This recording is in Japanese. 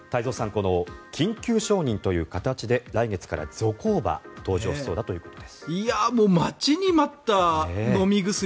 この緊急承認という形で来月からゾコーバ登場しそうだということです。